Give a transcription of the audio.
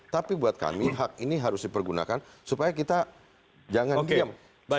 tapi buat kami hak ini harus dipergunakan supaya kita jangan diam